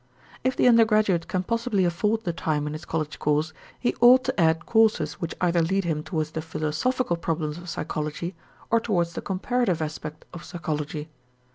If the undergraduate can possibly afford the time in his college course, he ought to add courses which either lead him towards the philosophical problems of psychology or towards the comparative aspect of psychology.